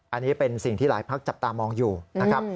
อันนี้เป็นสิ่งที่หลายพักจับตามองอยู่นะครับ